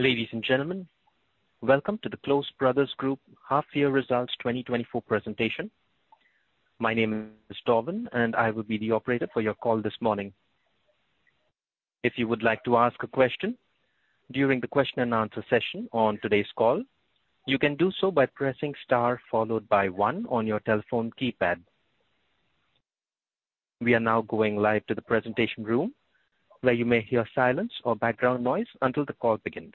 Ladies and gentlemen, welcome to the Close Brothers Group Half Year Results 2024 presentation. My name is Torven, and I will be the operator for your call this morning. If you would like to ask a question during the question-and-answer session on today's call, you can do so by pressing star followed by 1 on your telephone keypad. We are now going live to the presentation room, where you may hear silence or background noise until the call begins.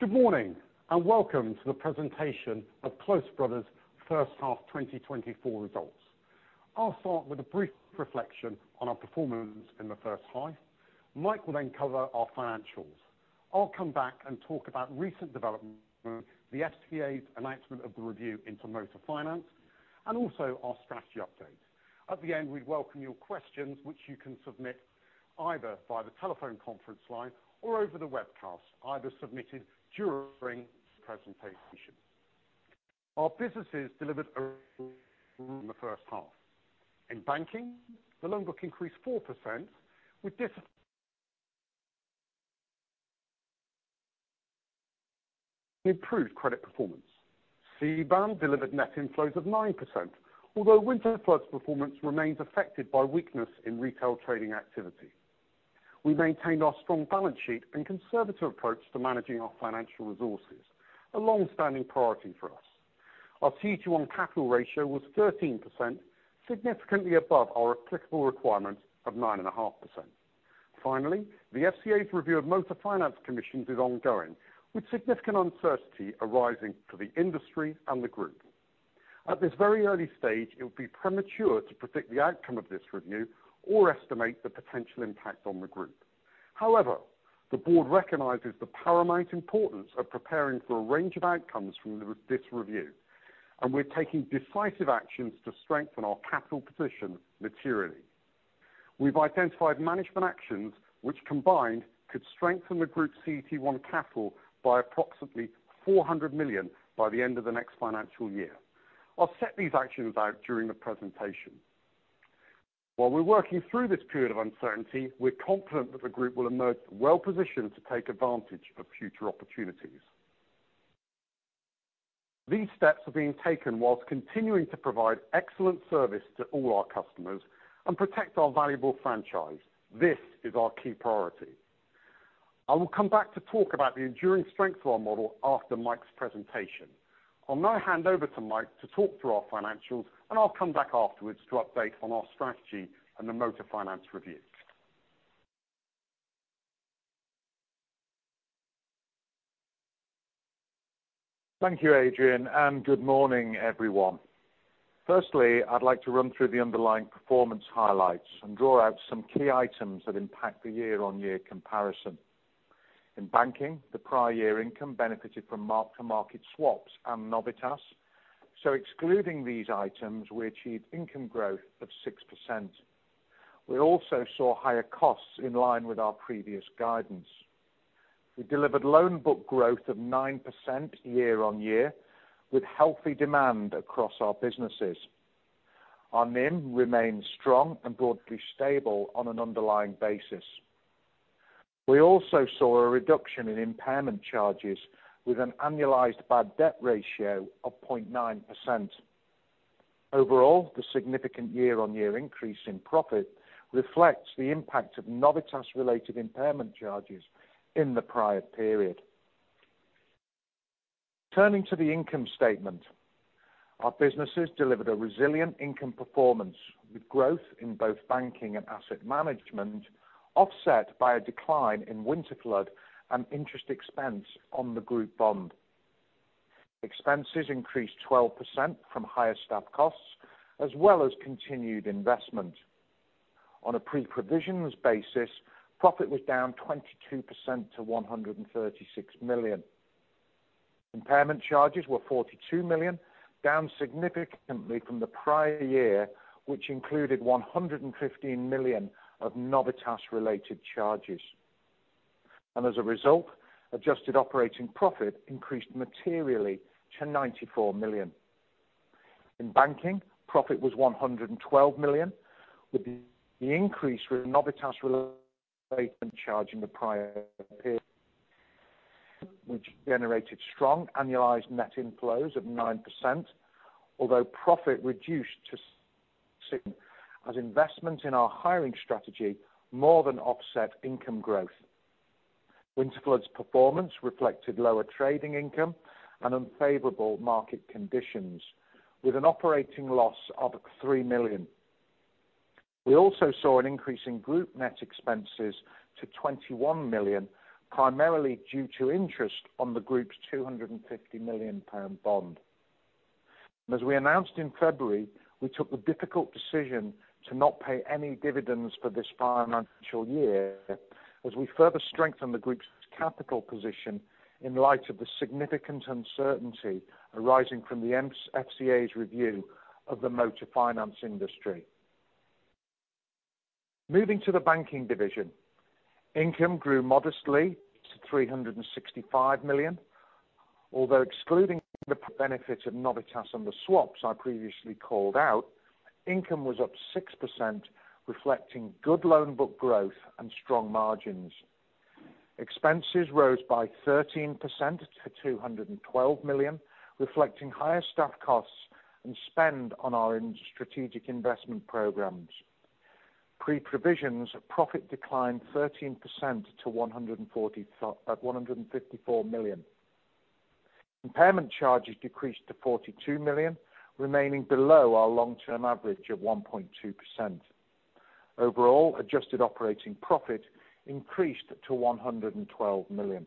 Good morning and welcome to the presentation of Close Brothers' first half 2024 results. I'll start with a brief reflection on our performance in the first half. Mike will then cover our financials. I'll come back and talk about recent developments, the FCA's announcement of the review into motor finance, and also our strategy update. At the end, we'd welcome your questions, which you can submit either via the telephone conference line or over the webcast, either submitted during the presentation. Our businesses delivered a rally in the first half. In banking, the loan book increased 4% with disappointing improved credit performance. CBAM delivered net inflows of 9%, although Winterflood's performance remains affected by weakness in retail trading activity. We maintained our strong balance sheet and conservative approach to managing our financial resources, a long-standing priority for us. Our CET1 capital ratio was 13%, significantly above our applicable requirement of 9.5%. Finally, the FCA's review of motor finance commissions is ongoing, with significant uncertainty arising for the industry and the group. At this very early stage, it would be premature to predict the outcome of this review or estimate the potential impact on the group. However, the board recognizes the paramount importance of preparing for a range of outcomes from this review, and we're taking decisive actions to strengthen our capital position materially. We've identified management actions which, combined, could strengthen the group's CET1 capital by approximately 400 million by the end of the next financial year. I'll set these actions out during the presentation. While we're working through this period of uncertainty, we're confident that the group will emerge well-positioned to take advantage of future opportunities. These steps are being taken whilst continuing to provide excellent service to all our customers and protect our valuable franchise. This is our key priority. I will come back to talk about the enduring strength of our model after Mike's presentation. I'll now hand over to Mike to talk through our financials, and I'll come back afterwards to update on our strategy and the motor finance review. Thank you, Adrian, and good morning, everyone. Firstly, I'd like to run through the underlying performance highlights and draw out some key items that impact the year-over-year comparison. In banking, the prior year income benefited from mark-to-market swaps and Novitas, so excluding these items, we achieved income growth of 6%. We also saw higher costs in line with our previous guidance. We delivered loan book growth of 9% year-over-year with healthy demand across our businesses. Our NIM remained strong and broadly stable on an underlying basis. We also saw a reduction in impairment charges with an annualized bad debt ratio of 0.9%. Overall, the significant year-over-year increase in profit reflects the impact of Novitas-related impairment charges in the prior period. Turning to the income statement, our businesses delivered a resilient income performance with growth in both banking and asset management, offset by a decline in Winterflood and interest expense on the group bond. Expenses increased 12% from higher staff costs as well as continued investment. On a pre-provisions basis, profit was down 22% to 136 million. Impairment charges were 42 million, down significantly from the prior year, which included 115 million of Novitas-related charges. As a result, adjusted operating profit increased materially to 94 million. In banking, profit was 112 million with the increase with Novitas-related charges in the prior period, which generated strong annualized net inflows of 9%, although profit reduced to 6% as investment in our hiring strategy more than offset income growth. Winterflood's performance reflected lower trading income and unfavorable market conditions with an operating loss of 3 million. We also saw an increase in group net expenses to 21 million, primarily due to interest on the group's 250 million pound bond. And as we announced in February, we took the difficult decision to not pay any dividends for this financial year as we further strengthen the group's capital position in light of the significant uncertainty arising from the FCA's review of the motor finance industry. Moving to the banking division, income grew modestly to 365 million. Although excluding the benefits of Novitas and the swaps I previously called out, income was up 6%, reflecting good loan book growth and strong margins. Expenses rose by 13% to 212 million, reflecting higher staff costs and spend on our strategic investment programs. Pre-provisions profit declined 13% to 154 million. Impairment charges decreased to 42 million, remaining below our long-term average of 1.2%. Overall, adjusted operating profit increased to 112 million.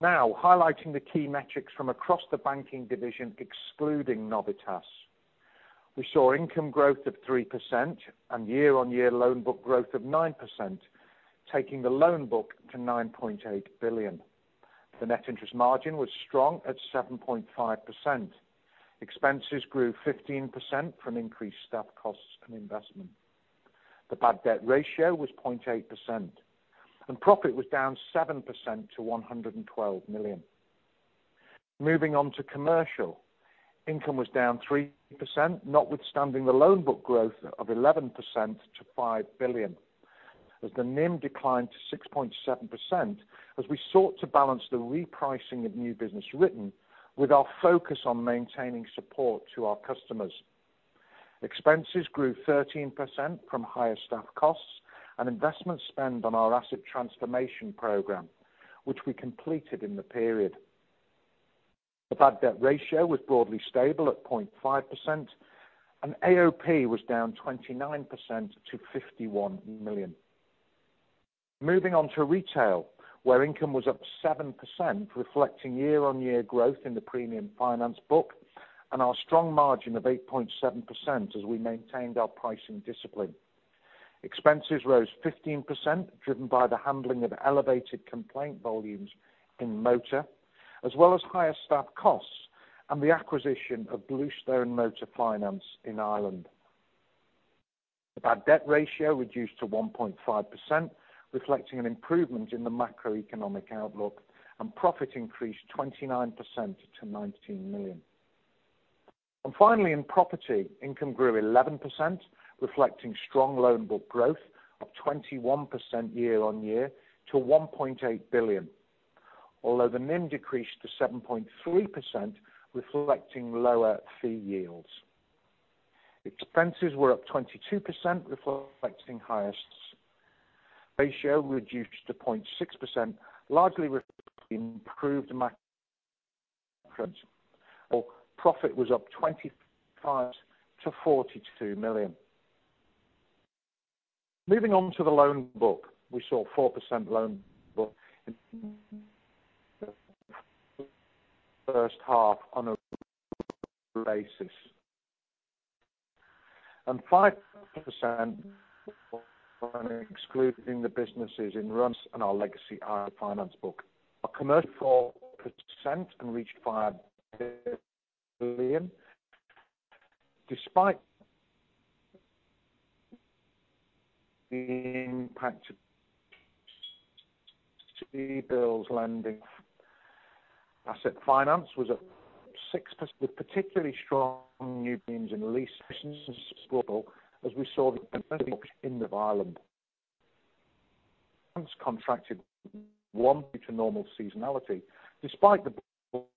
Now, highlighting the key metrics from across the banking division excluding Novitas, we saw income growth of 3% and year-over-year loan book growth of 9%, taking the loan book to 9.8 billion. The net interest margin was strong at 7.5%. Expenses grew 15% from increased staff costs and investment. The bad debt ratio was 0.8%, and profit was down 7% to 112 million. Moving on to commercial, income was down 3%, notwithstanding the loan book growth of 11% to 5 billion as the NIM declined to 6.7% as we sought to balance the repricing of new business written with our focus on maintaining support to our customers. Expenses grew 13% from higher staff costs and investment spend on our asset transformation program, which we completed in the period. The bad debt ratio was broadly stable at 0.5%, and AOP was down 29% to 51 million. Moving on to retail, where income was up 7%, reflecting year-on-year growth in the premium finance book and our strong margin of 8.7% as we maintained our pricing discipline. Expenses rose 15%, driven by the handling of elevated complaint volumes in motor as well as higher staff costs and the acquisition of Bluestone Motor Finance in Ireland. The bad debt ratio reduced to 1.5%, reflecting an improvement in the macroeconomic outlook, and profit increased 29% to 19 million. And finally, in property, income grew 11%, reflecting strong loan book growth of 21% year-on-year to 1.8 billion, although the NIM decreased to 7.3%, reflecting lower fee yields. Expenses were up 22%. The bad debt ratio reduced to 0.6%, largely reflecting an improved macroeconomic outlook. Profit was up 25% to 42 million. Moving on to the loan book, we saw 4% loan book in the first half on a real basis and 5% excluding the businesses in run-off and our legacy Ireland finance book. Our commercial 4% and reached 5 billion despite the impact of CBILS lending. Asset finance was up 6% with particularly strong new business in lease businesses as we saw in Ireland. Contract hire down due to normal seasonality despite the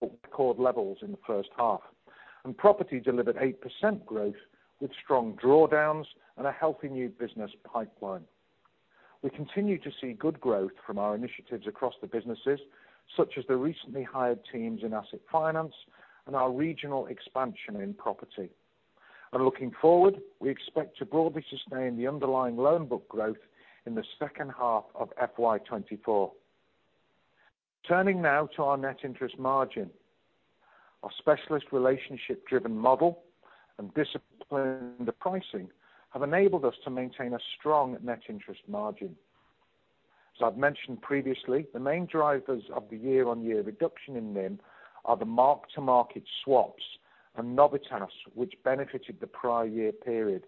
record levels in the first half, and property delivered 8% growth with strong drawdowns and a healthy new business pipeline. We continue to see good growth from our initiatives across the businesses, such as the recently hired teams in asset finance and our regional expansion in property. Looking forward, we expect to broadly sustain the underlying loan book growth in the second half of FY2024. Turning now to our net interest margin, our specialist relationship-driven model and discipline in the pricing have enabled us to maintain a strong net interest margin. As I've mentioned previously, the main drivers of the year-on-year reduction in NIM are the mark-to-market swaps and Novitas, which benefited the prior year period.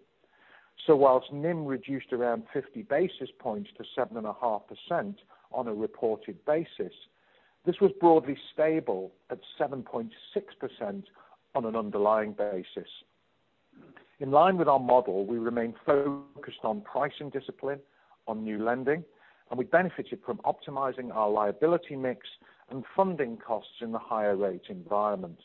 So while NIM reduced around 50 basis points to 7.5% on a reported basis, this was broadly stable at 7.6% on an underlying basis. In line with our model, we remain focused on pricing discipline, on new lending, and we benefited from optimizing our liability mix and funding costs in the higher rate environment.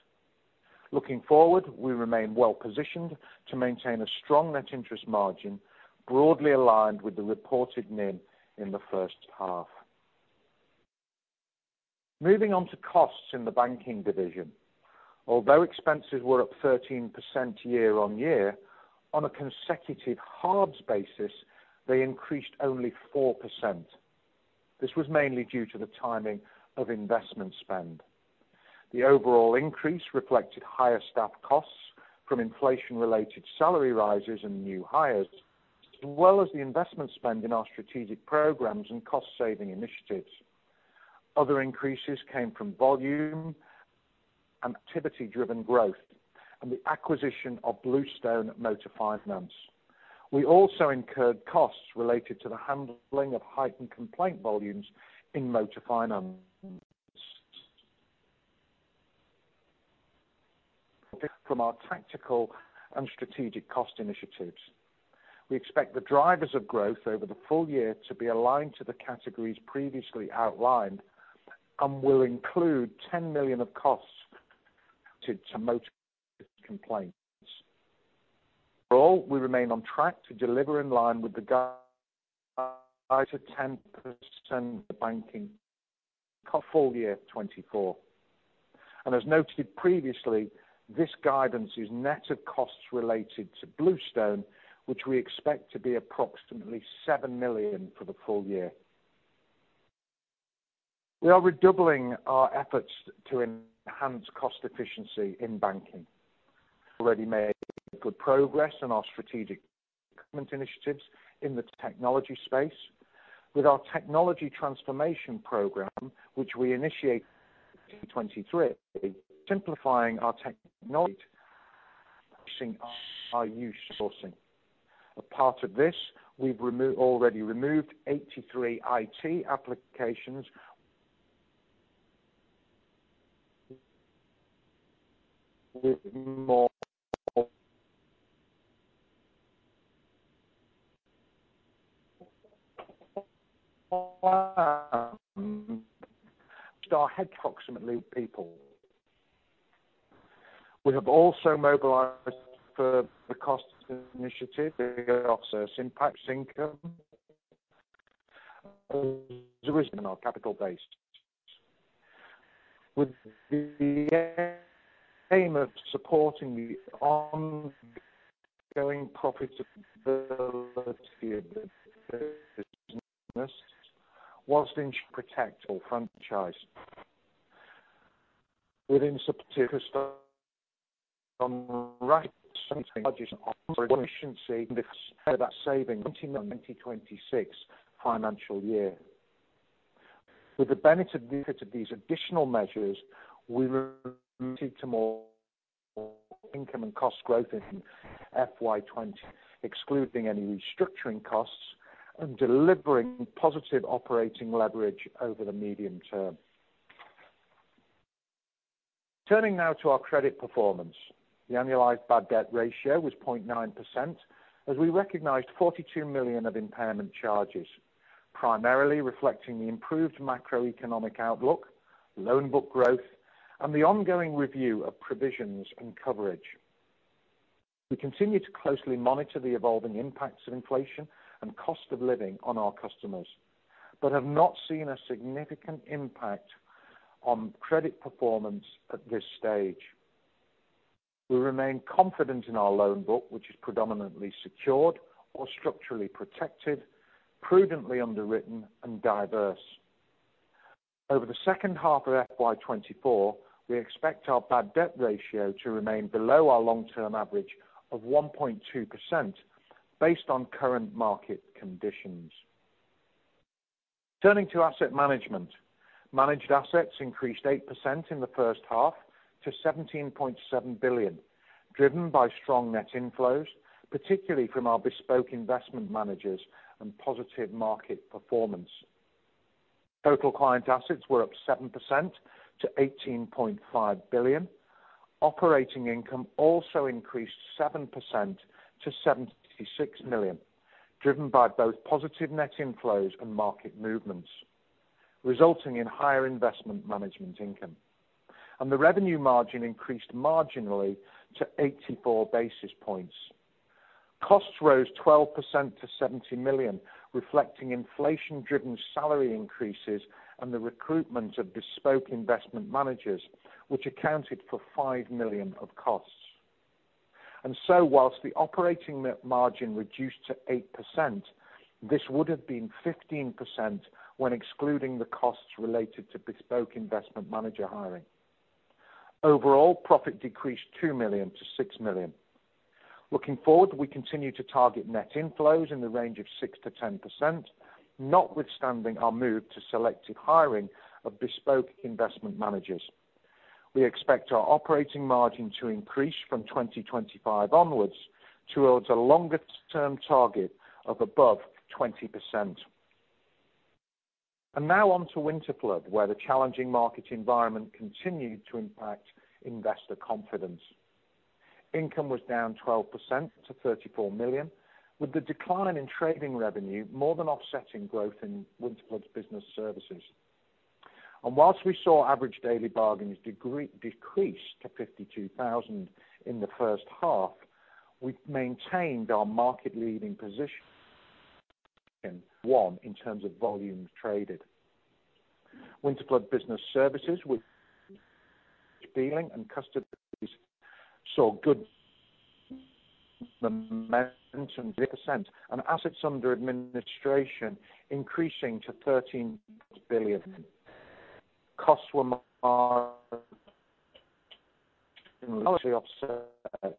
Looking forward, we remain well-positioned to maintain a strong net interest margin broadly aligned with the reported NIM in the first half. Moving on to costs in the banking division, although expenses were up 13% year-on-year, on a consecutive half basis, they increased only 4%. This was mainly due to the timing of investment spend. The overall increase reflected higher staff costs from inflation-related salary rises and new hires, as well as the investment spend in our strategic programs and cost-saving initiatives. Other increases came from volume activity-driven growth and the acquisition of Bluestone Motor Finance. We also incurred costs related to the handling of heightened complaint volumes in motor finance from our tactical and strategic cost initiatives. We expect the drivers of growth over the full year to be aligned to the categories previously outlined and will include 10 million of costs related to motor complaints. Overall, we remain on track to deliver in line with the guided 10% banking for full year 2024. And as noted previously, this guidance is net of costs related to Bluestone, which we expect to be approximately 7 million for the full year. We are redoubling our efforts to enhance cost efficiency in banking. We've already made good progress in our strategic simplification initiatives in the technology space with our technology transformation program, which we initiated in 2023, simplifying our technology using outsourcing. As part of this, we've already removed 83 IT applications with more to our headcount. Approximately 150 people. We have also mobilized for the cost initiative, the offshore impact on income and our capital base. With the aim of supporting the ongoing profitability of the business while protecting our franchise within subsidiary customer rights and efficiency in the sphere of that saving 2026 financial year. With the benefit of these additional measures, we're targeting lower income and cost growth in FY25, excluding any restructuring costs and delivering positive operating leverage over the medium term. Turning now to our credit performance, the annualized bad debt ratio was 0.9% as we recognized 42 million of impairment charges, primarily reflecting the improved macroeconomic outlook, loan book growth, and the ongoing review of provisions and coverage. We continue to closely monitor the evolving impacts of inflation and cost of living on our customers but have not seen a significant impact on credit performance at this stage. We remain confident in our loan book, which is predominantly secured or structurally protected, prudently underwritten, and diverse. Over the second half of FY 2024, we expect our bad debt ratio to remain below our long-term average of 1.2% based on current market conditions. Turning to asset management, managed assets increased 8% in the first half to 17.7 billion, driven by strong net inflows, particularly from our bespoke investment managers and positive market performance. Total client assets were up 7% to 18.5 billion. Operating income also increased 7% to 76 million, driven by both positive net inflows and market movements, resulting in higher investment management income. The revenue margin increased marginally to 84 basis points. Costs rose 12% to 70 million, reflecting inflation-driven salary increases and the recruitment of bespoke investment managers, which accounted for 5 million of costs. So while the operating margin reduced to 8%, this would have been 15% when excluding the costs related to bespoke investment manager hiring. Overall, profit decreased 2 million to 6 million. Looking forward, we continue to target net inflows in the range of 6%-10%, notwithstanding our move to selective hiring of bespoke investment managers. We expect our operating margin to increase from 2025 onwards towards a longer-term target of above 20%. Now on to Winterflood, where the challenging market environment continued to impact investor confidence. Income was down 12% to 34 million, with the decline in trading revenue more than offsetting growth in Winterflood Business Services. While we saw average daily bargains decrease to 52,000 in the first half, we maintained our market-leading position one in terms of volume traded. Winterflood Business Services, with dealing and custody, saw good momentum and assets under administration increasing to 13 billion. Costs were marginally offset.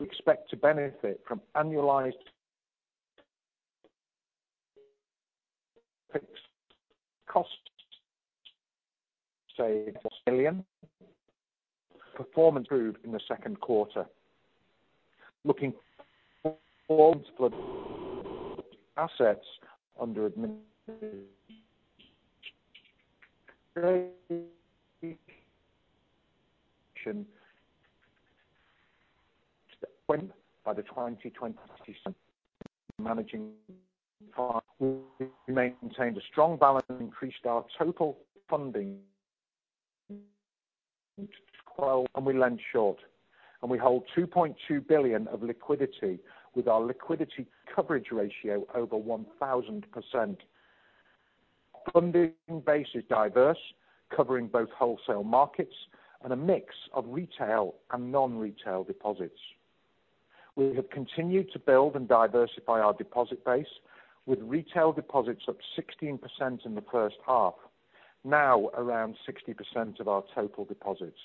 We expect to benefit from annualized fixed cost savings. Million. Performance improved in the second quarter. Looking forward, Winterflood assets under administration by the 2020 managing we maintained a strong balance, increased our total funding to GBP 12 billion, and we lent short. We hold 2.2 billion of liquidity with our liquidity coverage ratio over 1,000%. Funding base is diverse, covering both wholesale markets and a mix of retail and non-retail deposits. We have continued to build and diversify our deposit base, with retail deposits up 16% in the first half, now around 60% of our total deposits.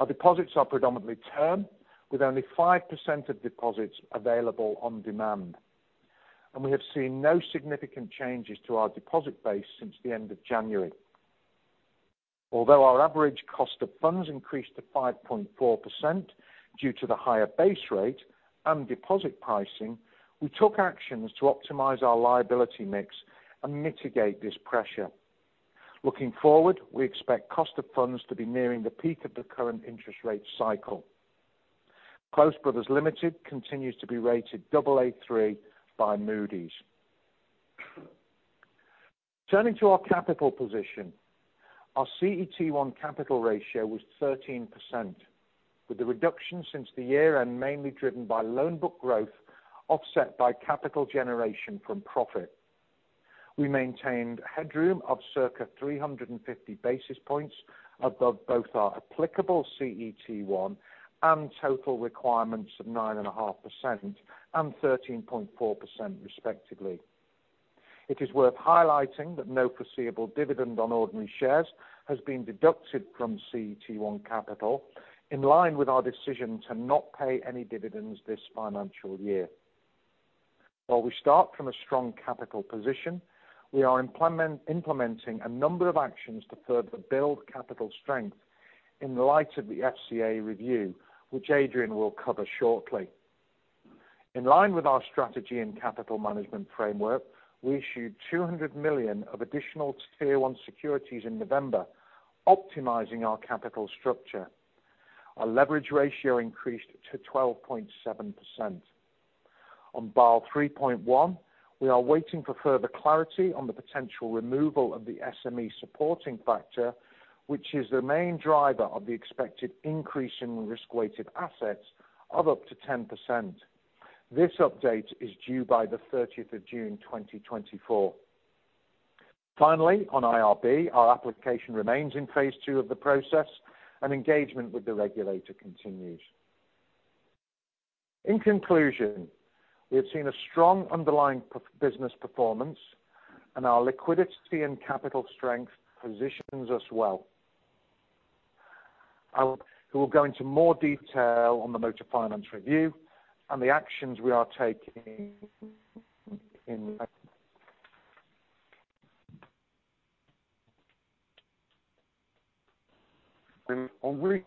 Our deposits are predominantly term, with only 5% of deposits available on demand. We have seen no significant changes to our deposit base since the end of January. Although our average cost of funds increased to 5.4% due to the higher base rate and deposit pricing, we took actions to optimize our liability mix and mitigate this pressure. Looking forward, we expect cost of funds to be nearing the peak of the current interest rate cycle. Close Brothers Limited continues to be rated AA3 by Moody's. Turning to our capital position, our CET1 capital ratio was 13%, with the reduction since the year-end mainly driven by loan book growth offset by capital generation from profit. We maintained headroom of circa 350 basis points above both our applicable CET1 and total requirements of 9.5% and 13.4%, respectively. It is worth highlighting that no foreseeable dividend on ordinary shares has been deducted from CET1 capital, in line with our decision to not pay any dividends this financial year. While we start from a strong capital position, we are implementing a number of actions to further build capital strength in light of the FCA review, which Adrian will cover shortly. In line with our strategy and capital management framework, we issued 200 million of additional tier one securities in November, optimizing our capital structure. Our leverage ratio increased to 12.7%. On Basel 3.1, we are waiting for further clarity on the potential removal of the SME supporting factor, which is the main driver of the expected increase in risk-weighted assets of up to 10%. This update is due by the 30th of June, 2024. Finally, on IRB, our application remains in phase two of the process, and engagement with the regulator continues. In conclusion, we have seen a strong underlying business performance, and our liquidity and capital strength positions us well. I will go into more detail on the motor finance review and the actions we are taking in on recently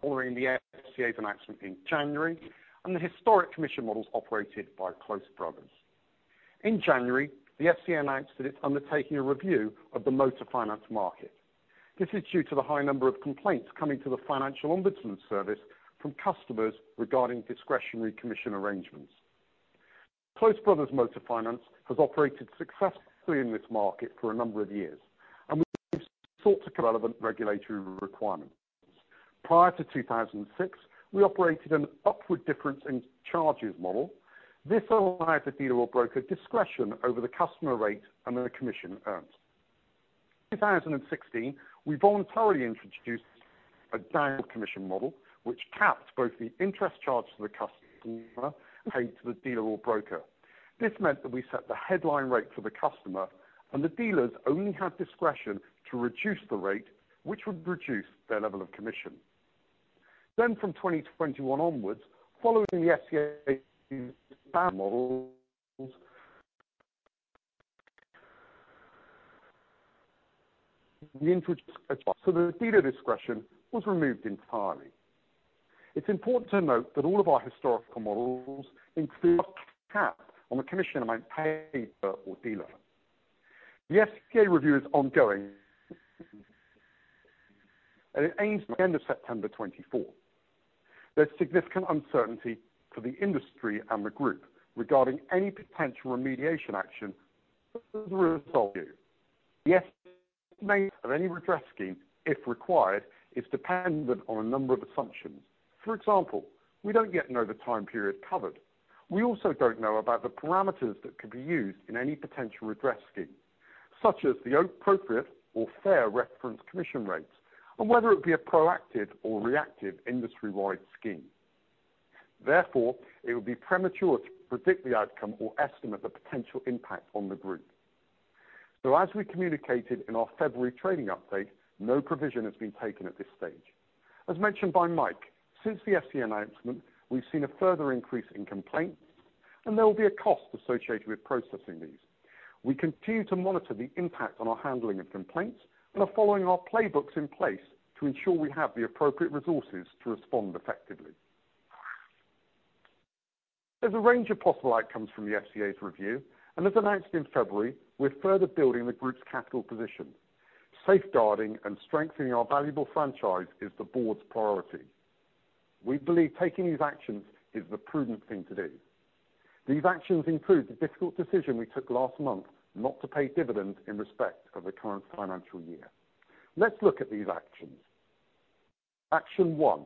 following the FCA's announcement in January and the historic commission models operated by Close Brothers. In January, the FCA announced that it's undertaking a review of the motor finance market. This is due to the high number of complaints coming to the Financial Ombudsman Service from customers regarding discretionary commission arrangements. Close Brothers Motor Finance has operated successfully in this market for a number of years, and we've sought to. Relevant regulatory requirements. Prior to 2006, we operated an upward difference in charges model. This allowed the dealer or broker discretion over the customer rate and the commission earned. In 2016, we voluntarily introduced a DiC commission model, which capped both the interest charge to the customer and paid to the dealer or broker. This meant that we set the headline rate for the customer, and the dealers only had discretion to reduce the rate, which would reduce their level of commission. Then from 2021 onwards, following the FCA's models, we introduced a so the dealer discretion was removed entirely. It's important to note that all of our historical models include a cap on the commission amount paid to a dealer. The FCA review is ongoing, and it aims by the end of September 2024. There's significant uncertainty for the industry and the group regarding any potential remediation action as a result. Review. The estimate of any redress scheme, if required, is dependent on a number of assumptions. For example, we don't yet know the time period covered. We also don't know about the parameters that could be used in any potential redress scheme, such as the appropriate or fair reference commission rates and whether it would be a proactive or reactive industry-wide scheme. Therefore, it would be premature to predict the outcome or estimate the potential impact on the group. So as we communicated in our February trading update, no provision has been taken at this stage. As mentioned by Mike, since the FCA announcement, we've seen a further increase in complaints, and there will be a cost associated with processing these. We continue to monitor the impact on our handling of complaints and are following our playbooks in place to ensure we have the appropriate resources to respond effectively. There's a range of possible outcomes from the FCA's review, and as announced in February, we're further building the group's capital position. Safeguarding and strengthening our valuable franchise is the board's priority. We believe taking these actions is the prudent thing to do. These actions include the difficult decision we took last month not to pay dividends in respect of the current financial year. Let's look at these actions. Action one,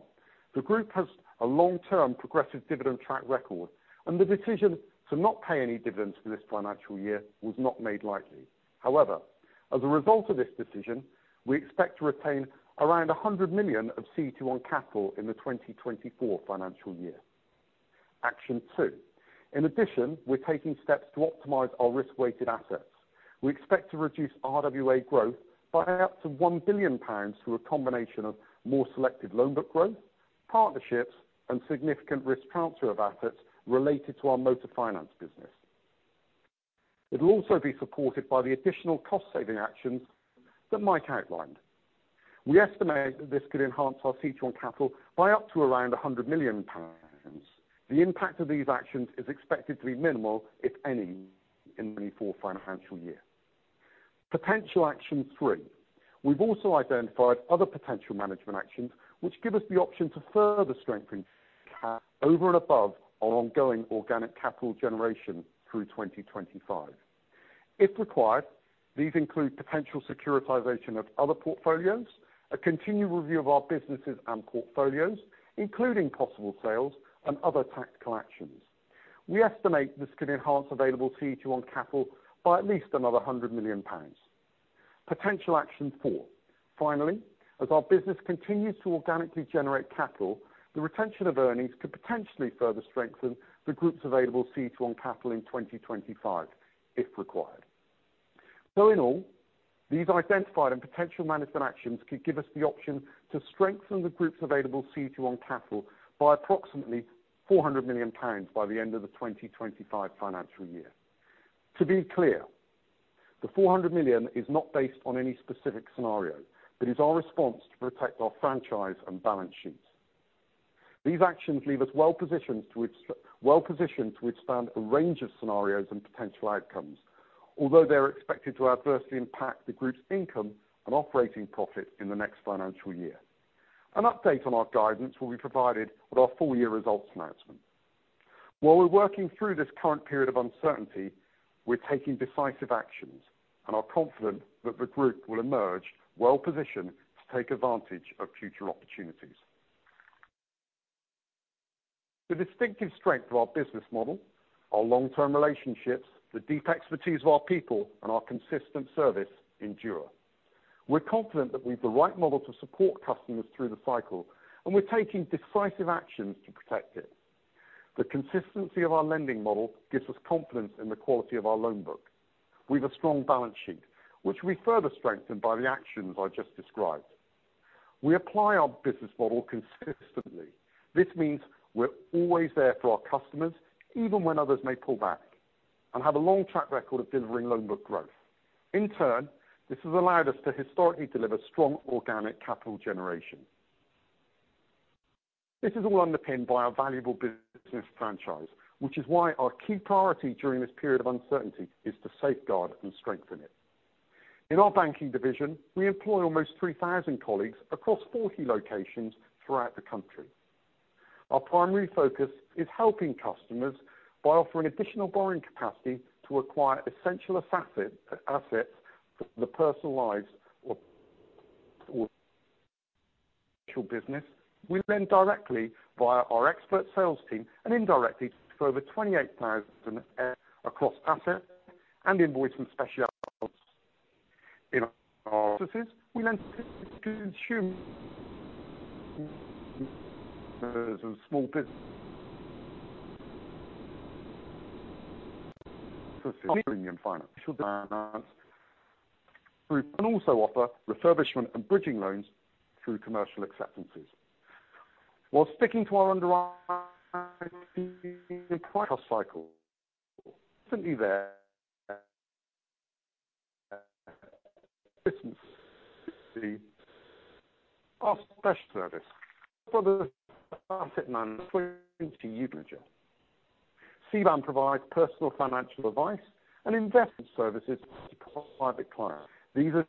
the group has a long-term progressive dividend track record, and the decision to not pay any dividends for this financial year was not made lightly. However, as a result of this decision, we expect to retain around 100 million of CET1 capital in the 2024 financial year. Action two, in addition, we're taking steps to optimize our risk-weighted assets. We expect to reduce RWA growth by up to 1 billion pounds through a combination of more selective loan book growth, partnerships, and significant risk transfer of assets related to our motor finance business. It'll also be supported by the additional cost-saving actions that Mike outlined. We estimate that this could enhance our CET1 capital by up to around 100 million pounds. The impact of these actions is expected to be minimal, if any, in the 2024 financial year. Potential action three, we've also identified other potential management actions which give us the option to further strengthen over and above our ongoing organic capital generation through 2025. If required, these include potential securitisation of other portfolios, a continued review of our businesses and portfolios, including possible sales, and other tactical actions. We estimate this could enhance available CET1 capital by at least another 100 million pounds. Potential action four, finally, as our business continues to organically generate capital, the retention of earnings could potentially further strengthen the group's available CET1 capital in 2025, if required. So in all, these identified and potential management actions could give us the option to strengthen the group's available CET1 capital by approximately 400 million pounds by the end of the 2025 financial year. To be clear, the 400 million is not based on any specific scenario but is our response to protect our franchise and balance sheets. These actions leave us well positioned to expand a range of scenarios and potential outcomes, although they're expected to adversely impact the group's income and operating profit in the next financial year. An update on our guidance will be provided with our full-year results announcement. While we're working through this current period of uncertainty, we're taking decisive actions, and are confident that the group will emerge well positioned to take advantage of future opportunities. The distinctive strength of our business model, our long-term relationships, the deep expertise of our people, and our consistent service endure. We're confident that we've the right model to support customers through the cycle, and we're taking decisive actions to protect it. The consistency of our lending model gives us confidence in the quality of our loan book. We have a strong balance sheet, which we further strengthen by the actions I just described. We apply our business model consistently. This means we're always there for our customers, even when others may pull back, and have a long track record of delivering loan book growth. In turn, this has allowed us to historically deliver strong organic capital generation. This is all underpinned by our valuable business franchise, which is why our key priority during this period of uncertainty is to safeguard and strengthen it. In our banking division, we employ almost 3,000 colleagues across 40 locations throughout the country. Our primary focus is helping customers by offering additional borrowing capacity to acquire essential assets for the personal lives or business. We lend directly via our expert sales team and indirectly to over 28,000 across asset and invoice specialists. In our offices, we lend to consumers and small businesses through Premium Finance group and also offer refurbishment and bridging loans through Commercial Acceptances. While sticking to our underwriting and cost cycle, we're presently there to assist our special service. Close Brothers Asset Management. CBAM provides personal financial advice and investment services to private clients. These are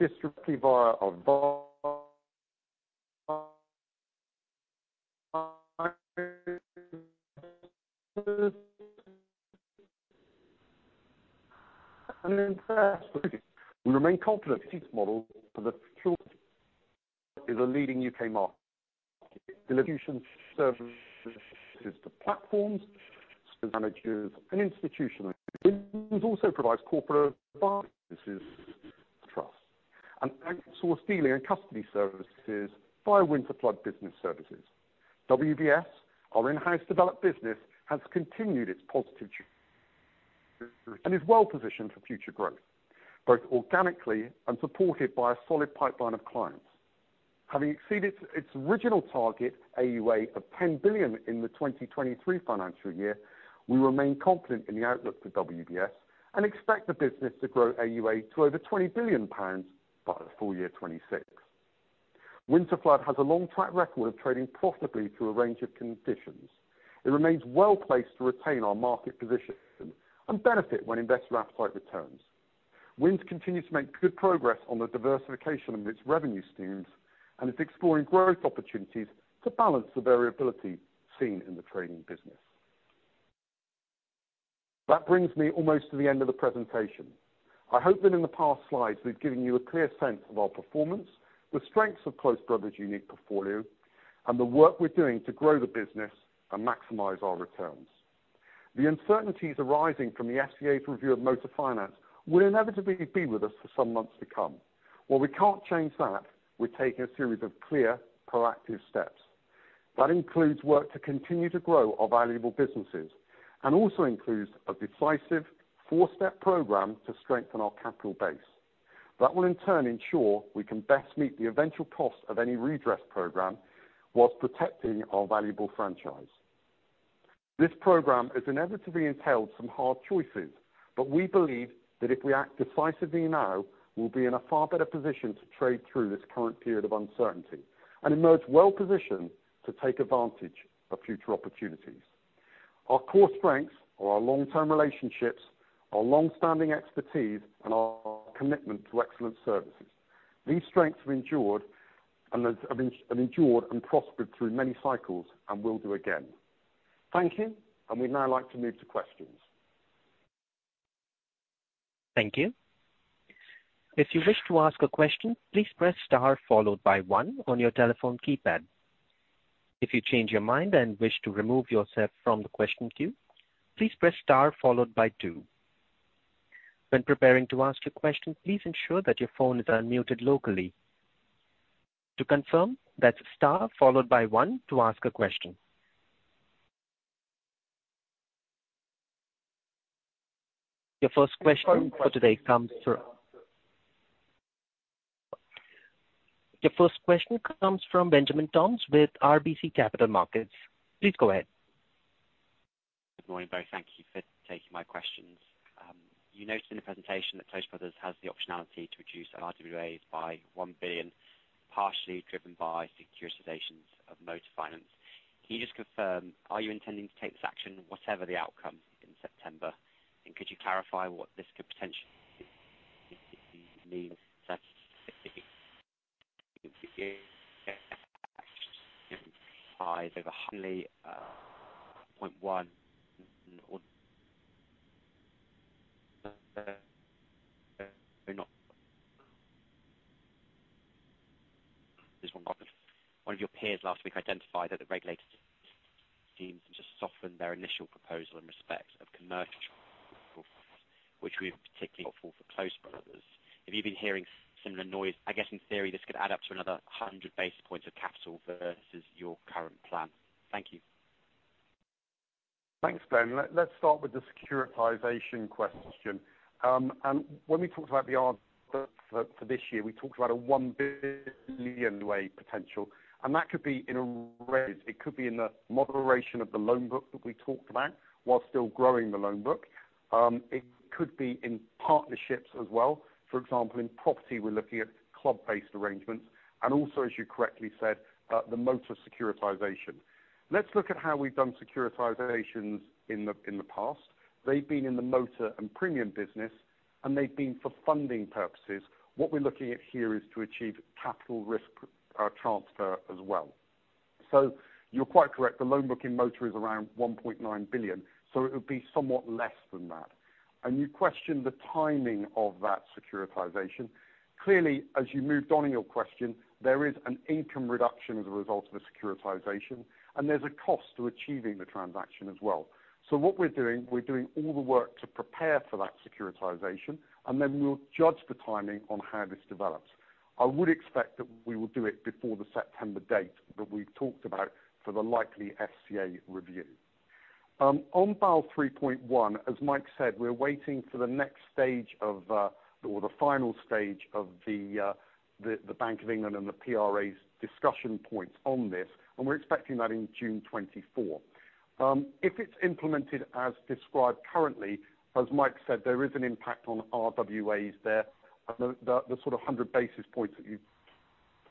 distributed via our advisers. We remain confident the CET1 model is a leading U.K. market. It delivers solutions to platforms, managers, and institutions. Wins also provides corporate advisors. This is trust and outsource dealing and custody services via Winterflood Business Services. WBS, our in-house developed business, has continued its positive journey and is well positioned for future growth, both organically and supported by a solid pipeline of clients. Having exceeded its original target AUA of 10 billion in the 2023 financial year, we remain confident in the outlook for WBS and expect the business to grow AUA to over 20 billion pounds by the full year 2026. Winterflood has a long track record of trading profitably through a range of conditions. It remains well placed to retain our market position and benefit when investor appetite returns. Wins continues to make good progress on the diversification of its revenue streams and is exploring growth opportunities to balance the variability seen in the trading business. That brings me almost to the end of the presentation. I hope that in the past slides, we've given you a clear sense of our performance, the strengths of Close Brothers' unique portfolio, and the work we're doing to grow the business and maximize our returns. The uncertainties arising from the FCA's review of motor finance will inevitably be with us for some months to come. While we can't change that, we're taking a series of clear, proactive steps. That includes work to continue to grow our valuable businesses and also includes a decisive four-step program to strengthen our capital base. That will in turn ensure we can best meet the eventual cost of any redress program whilst protecting our valuable franchise. This program inevitably entails some hard choices, but we believe that if we act decisively now, we'll be in a far better position to trade through this current period of uncertainty and emerge well positioned to take advantage of future opportunities. Our core strengths are our long-term relationships, our longstanding expertise, and our commitment to excellent services. These strengths have endured and prospered through many cycles and will do again. Thank you, and we'd now like to move to questions. Thank you. If you wish to ask a question, please press star followed by one on your telephone keypad. If you change your mind and wish to remove yourself from the question queue, please press star followed by two. When preparing to ask a question, please ensure that your phone is unmuted locally. To confirm, that's star followed by one to ask a question. Your first question for today comes from Benjamin Toms with RBC Capital Markets. Please go ahead. Good morning, Bo. Thank you for taking my questions. You noted in the presentation that Close Brothers has the optionality to reduce RWAs by 1 billion, partially driven by securitisations of motor finance. Can you just confirm, are you intending to take this action whatever the outcome in September? And could you clarify what this could potentially mean? So if the action implies over only a 0.1 or there's one problem. One of your peers last week identified that the regulator seems to soften their initial proposal in respect of commercial profits, which we're particularly hopeful for Close Brothers. If you've been hearing similar noise, I guess in theory, this could add up to another 100 basis points of capital versus your current plan. Thank you. Thanks, Ben. Let's start with the securitization question. When we talked about the RWA for this year, we talked about a 1 billion RWA potential, and that could be in RWAs. It could be in the moderation of the loan book that we talked about while still growing the loan book. It could be in partnerships as well. For example, in property, we're looking at club-based arrangements and also, as you correctly said, the motor securitization. Let's look at how we've done securitizations in the past. They've been in the motor and premium business, and they've been for funding purposes. What we're looking at here is to achieve capital risk transfer as well. So you're quite correct. The loan book in motor is around 1.9 billion, so it would be somewhat less than that. You questioned the timing of that securitization. Clearly, as you moved on in your question, there is an income reduction as a result of the securitisation, and there's a cost to achieving the transaction as well. So what we're doing, we're doing all the work to prepare for that securitisation, and then we'll judge the timing on how this develops. I would expect that we will do it before the September date that we've talked about for the likely FCA review. On Basel 3.1, as Mike said, we're waiting for the next stage or the final stage of the Bank of England and the PRA's discussion points on this, and we're expecting that in June 2024. If it's implemented as described currently, as Mike said, there is an impact on RWAs there, the sort of 100 basis points that you've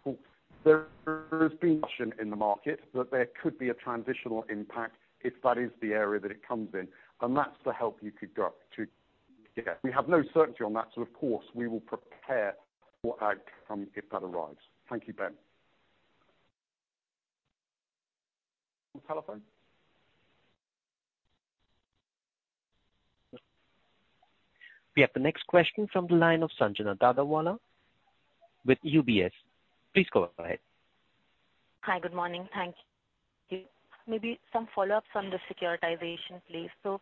talked there has been question in the market that there could be a transitional impact if that is the area that it comes in, and that's the help you could get to. We have no certainty on that, so of course, we will prepare for outcome if that arrives. Thank you, Ben. On the telephone? We have the next question from the line of Sanjana Dadawala with UBS. Please go ahead. Hi. Good morning. Thank you. Maybe some follow-ups on the securitization, please. So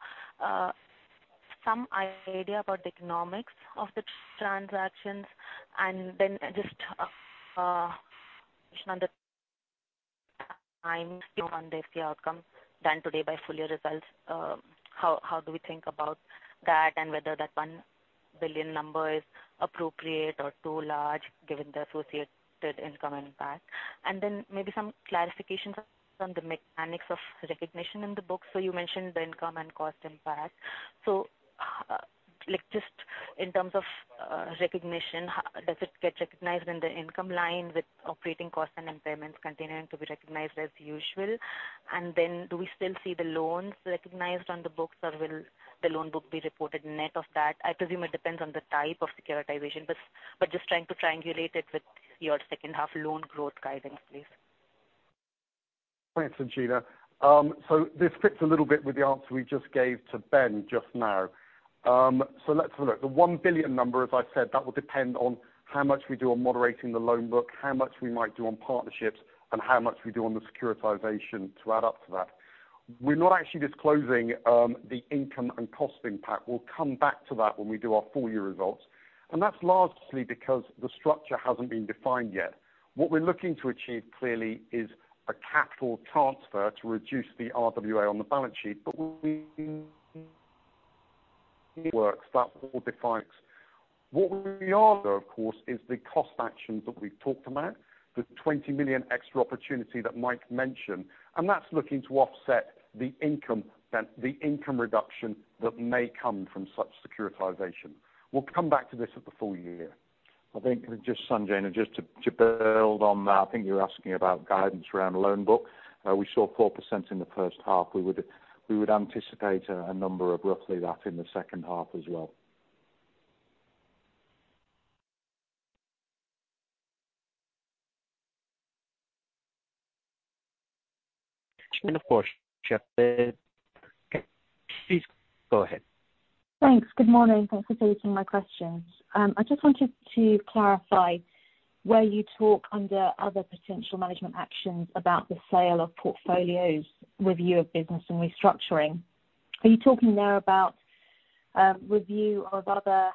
some idea about the economics of the transactions and then just a question on the time. One day see outcome done today by full year results. How do we think about that and whether that 1 billion number is appropriate or too large given the associated income impact? And then maybe some clarifications on the mechanics of recognition in the book. So you mentioned the income and cost impact. So just in terms of recognition, does it get recognized in the income line with operating costs and impairments continuing to be recognized as usual? And then do we still see the loans recognized on the books, or will the loan book be reported net of that? I presume it depends on the type of securitization, but just trying to triangulate it with your second-half loan growth guidance, please. Thanks, Sanjena. So this fits a little bit with the answer we just gave to Ben just now. So let's have a look. The 1 billion number, as I said, that will depend on how much we do on moderating the loan book, how much we might do on partnerships, and how much we do on the securitisation to add up to that. We're not actually disclosing the income and cost impact. We'll come back to that when we do our full year results. And that's largely because the structure hasn't been defined yet. What we're looking to achieve, clearly, is a capital transfer to reduce the RWA on the balance sheet, but we need works that will define what we are, though, of course, is the cost actions that we've talked about, the 20 million extra opportunity that Mike mentioned, and that's looking to offset the income reduction that may come from such securitization. We'll come back to this at the full year. I think just, Sanjena, just to build on that, I think you were asking about guidance around loan book. We saw 4% in the first half. We would anticipate a number of roughly that in the second half as well. Of course, Jeff, please go ahead. Thanks. Good morning. Thanks for taking my questions. I just wanted to clarify where you talk under other potential management actions about the sale of portfolios, review of business, and restructuring. Are you talking there about review of other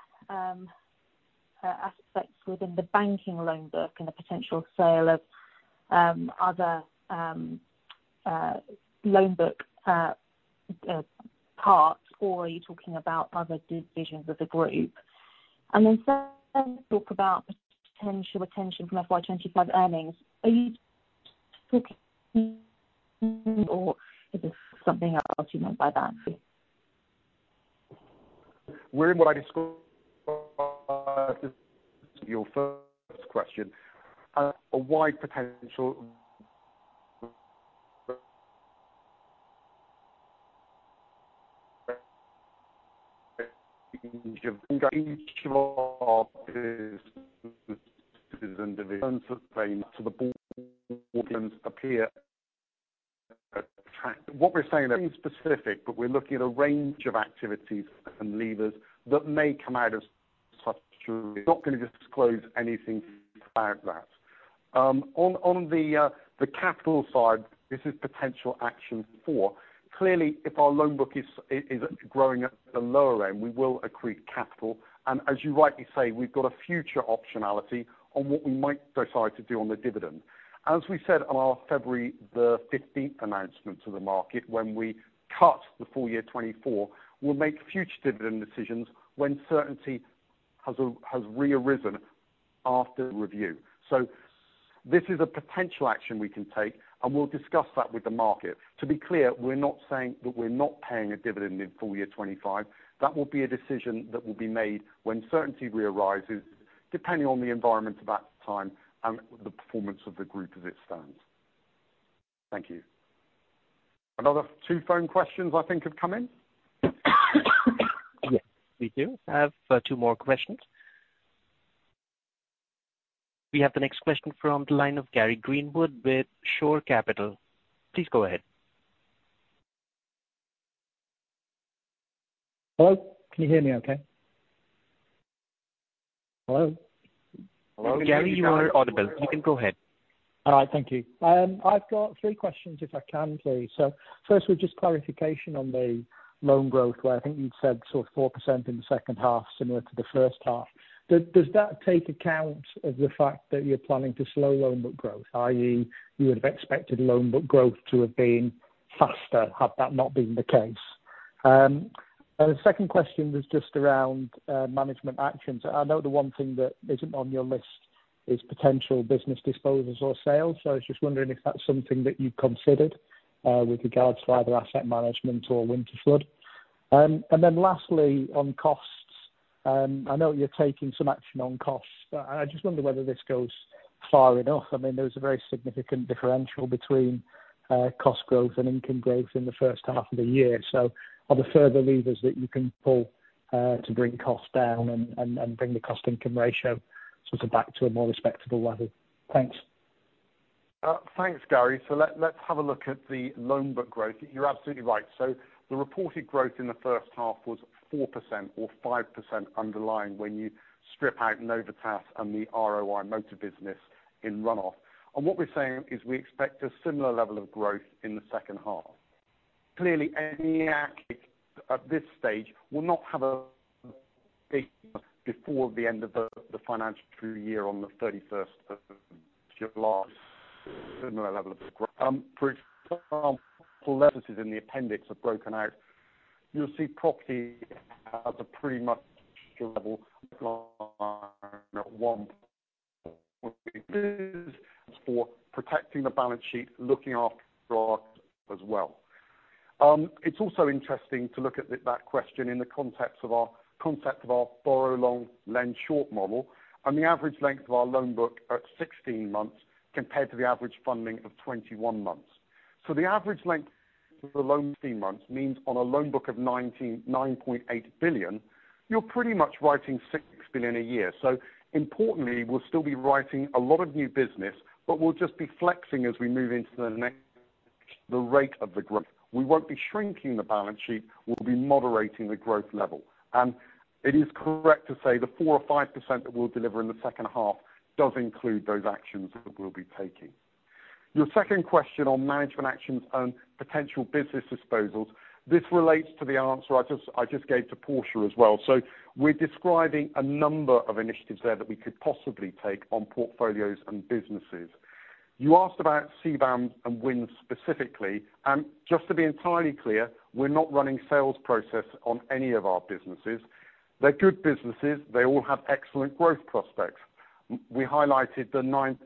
aspects within the banking loan book and the potential sale of other loan book parts, or are you talking about other divisions of the group? And then you talk about potential retention from FY2025 earnings. Are you talking? Or is it something else you meant by that? We're in what I described as your first question, a wide potential range of divisions and divisions of claims to the board that appear attractive. What we're saying is specific, but we're looking at a range of activities and levers that may come out of such a not going to disclose anything about that. On the capital side, this is potential action for. Clearly, if our loan book is growing at the lower end, we will accrete capital. And as you rightly say, we've got a future optionality on what we might decide to do on the dividend. As we said on our February the 15th announcement to the market when we cut the full year 2024, we'll make future dividend decisions when certainty has rearisen after review. So this is a potential action we can take, and we'll discuss that with the market. To be clear, we're not saying that we're not paying a dividend in full year 2025. That will be a decision that will be made when certainty re-arises, depending on the environment at that time and the performance of the group as it stands. Thank you. Another two phone questions, I think, have come in. Yes, we do have two more questions. We have the next question from the line of Gary Greenwood with Shore Capital. Please go ahead. Hello. Can you hear me okay? Hello? Hello. Hello. Gary, you are audible. You can go ahead. All right. Thank you. I've got three questions if I can, please. So first, with just clarification on the loan growth where I think you'd said sort of 4% in the second half, similar to the first half. Does that take account of the fact that you're planning to slow loan book growth, i.e., you would have expected loan book growth to have been faster had that not been the case? And the second question was just around management actions. I know the one thing that isn't on your list is potential business disposals or sales, so I was just wondering if that's something that you'd considered with regards to either asset management or Winterflood. And then lastly, on costs, I know you're taking some action on costs, but I just wonder whether this goes far enough. I mean, there was a very significant differential between cost growth and income growth in the first half of the year. So are there further levers that you can pull to bring costs down and bring the cost-income ratio sort of back to a more respectable level? Thanks. Thanks, Gary. So let's have a look at the loan book growth. You're absolutely right. So the reported growth in the first half was 4% or 5% underlying when you strip out Novitas and the ROI motor business in run-off. And what we're saying is we expect a similar level of growth in the second half. Clearly, any action at this stage will not have a before the end of the financial year on the 31st of July, similar level of growth. For example, levers in the appendix have broken out. You'll see property has a pretty much level line at 1.0 for protecting the balance sheet, looking after ours as well. It's also interesting to look at that question in the context of our borrow long, lend short model and the average length of our loan book at 16 months compared to the average funding of 21 months. So the average length of the loan 16 months means on a loan book of 9.8 billion, you're pretty much writing 6 billion a year. So importantly, we'll still be writing a lot of new business, but we'll just be flexing as we move into the next the rate of the growth. We won't be shrinking the balance sheet. We'll be moderating the growth level. And it is correct to say the 4% or 5% that we'll deliver in the second half does include those actions that we'll be taking. Your second question on management actions and potential business disposals, this relates to the answer I just gave to Portia as well. So we're describing a number of initiatives there that we could possibly take on portfolios and businesses. You asked about CBAM and Wins specifically. And just to be entirely clear, we're not running sales process on any of our businesses. They're good businesses. They all have excellent growth prospects. We highlighted the 9%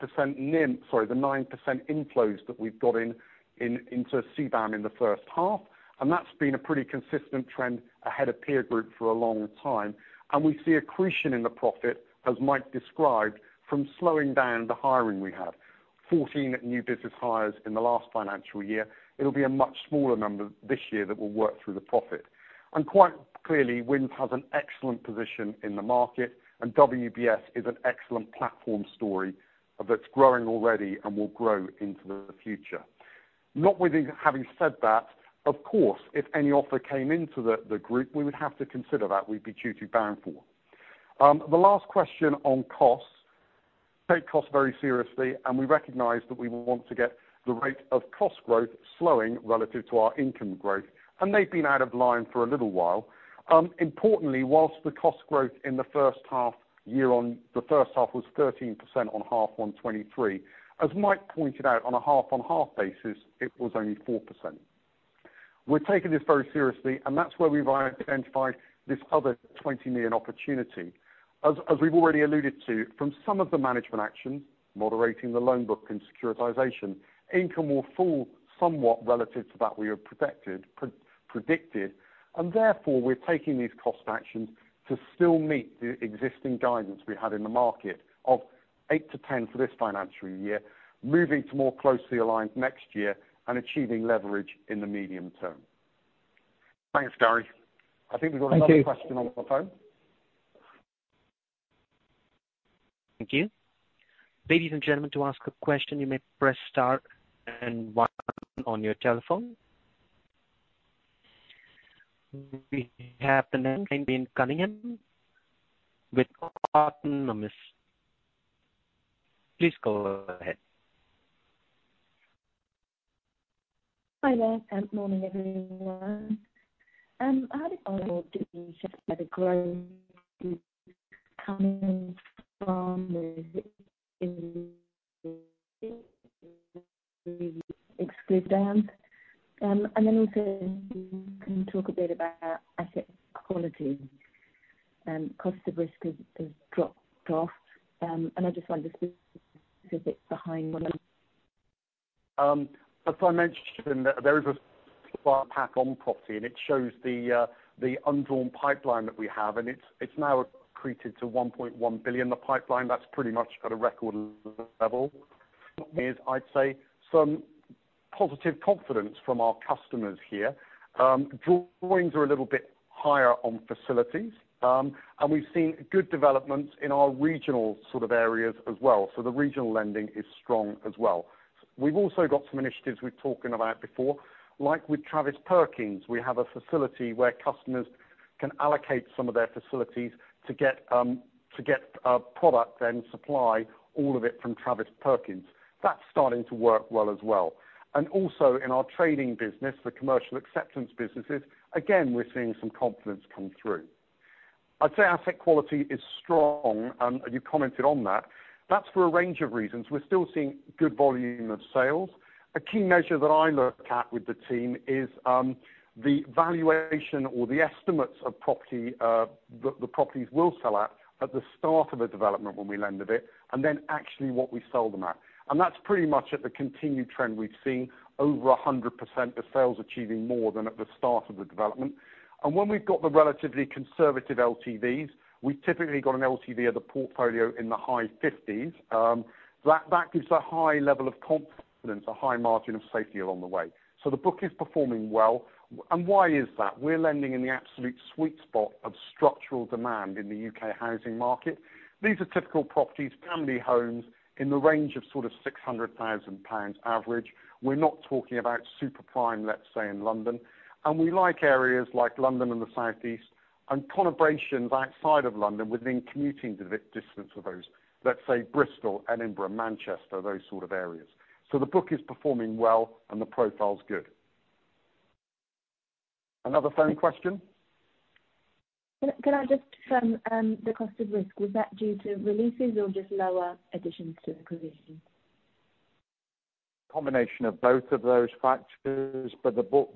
sorry, the 9% inflows that we've got into CBAM in the first half, and that's been a pretty consistent trend ahead of peer group for a long time. And we see accretion in the profit, as Mike described, from slowing down the hiring we had, 14 new business hires in the last financial year. It'll be a much smaller number this year that will work through the profit. Quite clearly, Wins has an excellent position in the market, and WBS is an excellent platform story that's growing already and will grow into the future. Having said that, of course, if any offer came into the group, we would have to consider that. We'd be duty bound to. The last question on costs, we take costs very seriously, and we recognize that we want to get the rate of cost growth slowing relative to our income growth. And they've been out of line for a little while. Importantly, while the cost growth in the first half year-on-year on the first half was 13% on H1 2023, as Mike pointed out, on a half-on-half basis, it was only 4%. We're taking this very seriously, and that's where we've identified this other 20 million opportunity. As we've already alluded to, from some of the management actions, moderating the loan book and securitization, income will fall somewhat relative to that we had predicted. And therefore, we're taking these cost actions to still meet the existing guidance we had in the market of eight-10 for this financial year, moving to more closely aligned next year, and achieving leverage in the medium term. Thanks, Gary. I think we've got another question on the phone. Thank you. Ladies and gentlemen, to ask a question, you may press star one on your telephone. We have the name James Hamilton with Autonomous. Please go ahead. Hi there. Good morning, everyone. How does our business have better growth coming from the? And then also, can you talk a bit about asset quality? Cost of risk has dropped. And I just wanted to get the specifics behind what I'm saying. As I mentioned, there is a Stats Pack on property, and it shows the undrawn pipeline that we have, and it's now accreted to 1.1 billion, the pipeline. That's pretty much at a record level. I'd say some positive confidence from our customers here. Drawings are a little bit higher on facilities, and we've seen good developments in our regional sort of areas as well. So the regional lending is strong as well. We've also got some initiatives we've talked about before. Like with Travis Perkins, we have a facility where customers can allocate some of their facilities to get product then supply, all of it from Travis Perkins. That's starting to work well as well. And also, in our trading business, the Commercial Acceptances business, again, we're seeing some confidence come through. I'd say asset quality is strong, and you commented on that. That's for a range of reasons. We're still seeing good volume of sales. A key measure that I look at with the team is the valuation or the estimates of properties we'll sell at the start of a development when we lend on it and then actually what we sell them at. And that's pretty much on the continued trend we've seen, over 100% of sales achieving more than at the start of the development. And when we've got the relatively conservative LTVs, we've typically got an LTV of the portfolio in the high 50s. That gives a high level of confidence, a high margin of safety along the way. So the book is performing well. And why is that? We're lending in the absolute sweet spot of structural demand in the UK housing market. These are typical properties, family homes in the range of sort of 600,000 pounds average. We're not talking about superprime, let's say, in London. And we like areas like London and the Southeast and conurbations outside of London within commuting distance of those, let's say, Bristol, Edinburgh, Manchester, those sort of areas. So the book is performing well, and the profile's good. Another phone question? Can I just from the cost of risk, was that due to releases or just lower additions to the provision? Combination of both of those factors, but the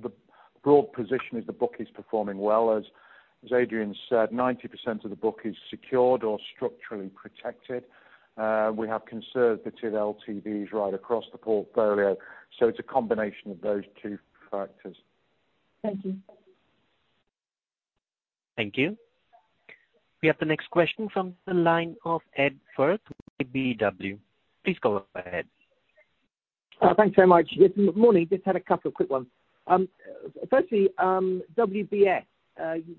broad position is the book is performing well. As Adrian said, 90% of the book is secured or structurally protected. We have conservative LTVs right across the portfolio. So it's a combination of those two factors. Thank you. Thank you. We have the next question from the line of Ed Firth with KBW. Please go ahead. Thanks so much. Good morning. Just had a couple of quick ones. Firstly, WBS,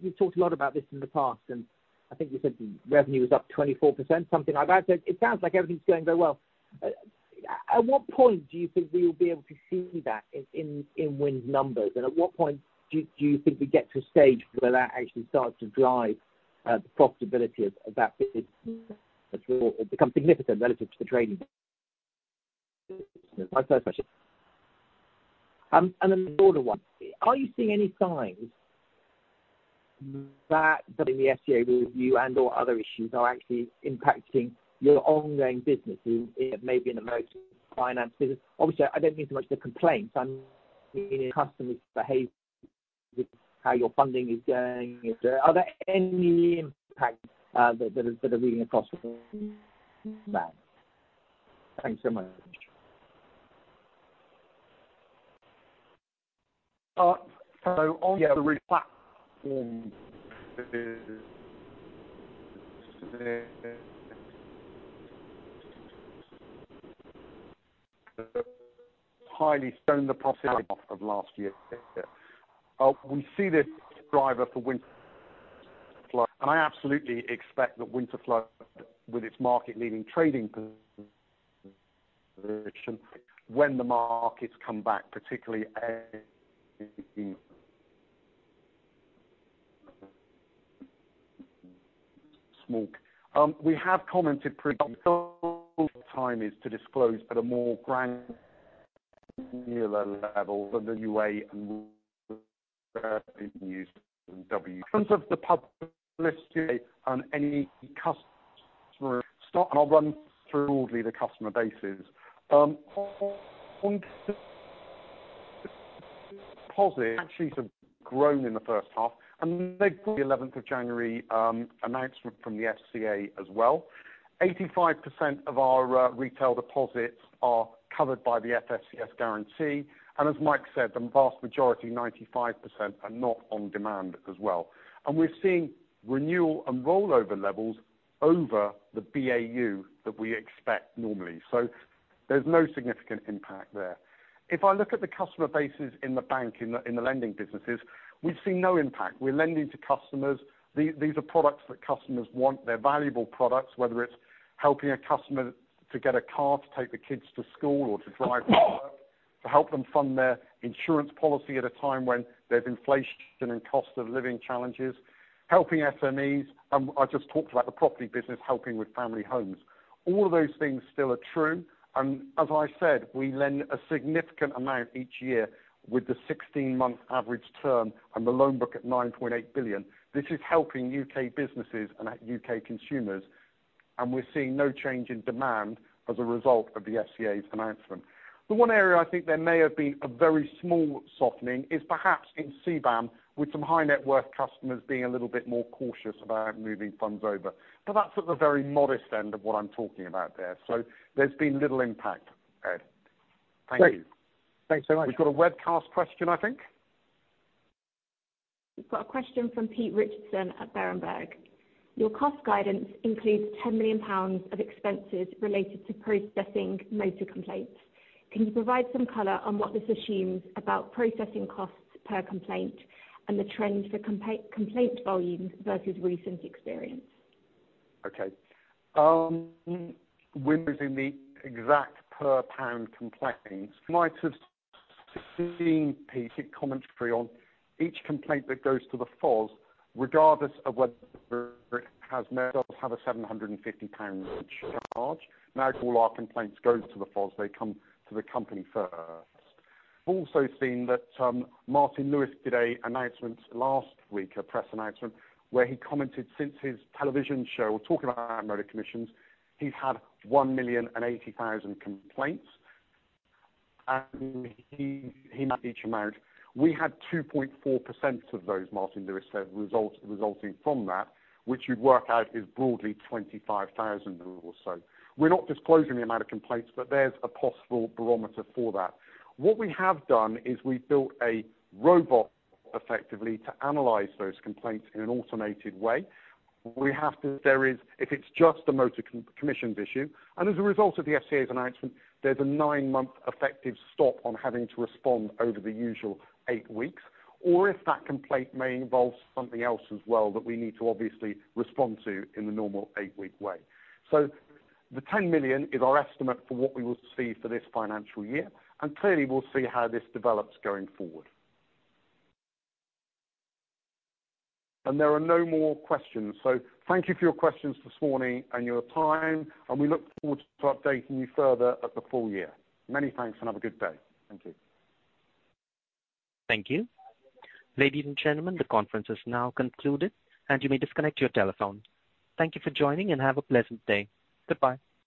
you've talked a lot about this in the past, and I think you said the revenue was up 24%, something like that. So it sounds like everything's going very well. At what point do you think we will be able to see that in Wins numbers? And at what point do you think we get to a stage where that actually starts to drive the profitability of that business or become significant relative to the trading business? My first question. And then the broader one, are you seeing any signs that in the FCA review and/or other issues are actually impacting your ongoing business, maybe in the motor finance business? Obviously, I don't mean so much to complain. I mean customers' behaviour, how your funding is going. Are there any impacts that are reading across from that? Thanks so much. So, on the platform, Bluestone the profitability off of last year. We see this driver for Winterflood, and I absolutely expect that Winterflood, with its market-leading trading position, when the markets come back, particularly in small. We have commented pretty long time is to disclose at a more granular level than the AUA and Winterflood and WBS. In terms of the publicity and any customer start, and I'll run through broadly the customer bases, on deposits, actually, it's grown in the first half, and then there's the 11th of January announcement from the FCA as well. 85% of our retail deposits are covered by the FSCS guarantee. And as Mike said, the vast majority, 95%, are not on demand as well. And we're seeing renewal and rollover levels over the BAU that we expect normally. So there's no significant impact there. If I look at the customer bases in the bank, in the lending businesses, we've seen no impact. We're lending to customers. These are products that customers want. They're valuable products, whether it's helping a customer to get a car to take the kids to school or to drive to work, to help them fund their insurance policy at a time when there's inflation and cost of living challenges, helping SMEs. And I just talked about the property business helping with family homes. All of those things still are true. And as I said, we lend a significant amount each year with the 16-month average term and the loan book at 9.8 billion. This is helping UK businesses and UK consumers, and we're seeing no change in demand as a result of the FCA's announcement. The one area I think there may have been a very small softening is perhaps in CBAM, with some high-net-worth customers being a little bit more cautious about moving funds over. But that's at the very modest end of what I'm talking about there. So there's been little impact, Ed. Thank you. Great. Thanks so much. We've got a webcast question, I think. We've got a question from Peter Richardson at Berenberg. Your cost guidance includes 10 million pounds of expenses related to processing motor complaints. Can you provide some color on what this assumes about processing costs per complaint and the trend for complaint volumes versus recent experience? Okay. WINS is in the exact per complaints. You might have seen, Pete, commentary on each complaint that goes to the FOS, regardless of whether it has or does have a 750 pound charge. Now, all our complaints go to the FOS. They come to the company first. I've also seen that Martin Lewis did an announcement last week, a press announcement, where he commented since his television show talking about motor commissions, he's had 1,080,000 complaints, and he. We had 2.4% of those, Martin Lewis said, resulting from that, which you'd work out is broadly 25,000 or so. We're not disclosing the amount of complaints, but there's a possible barometer for that. What we have done is we've built a robot, effectively, to analyze those complaints in an automated way. If it's just a motor commissions issue, and as a result of the FCA's announcement, there's a nine-month effective stop on having to respond over the usual eight weeks, or if that complaint may involve something else as well that we need to obviously respond to in the normal eight-week way. So the 10 million is our estimate for what we will see for this financial year, and clearly, we'll see how this develops going forward. And there are no more questions. So thank you for your questions this morning and your time, and we look forward to updating you further at the full year. Many thanks and have a good day. Thank you. Thank you. Ladies and gentlemen, the conference is now concluded, and you may disconnect your telephone. Thank you for joining, and have a pleasant day. Goodbye.